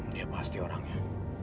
dia pasti orangnya